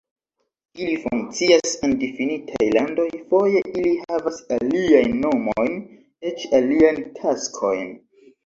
Ili funkcias en difinitaj landoj, foje ili havas aliajn nomojn, eĉ aliajn taskojn.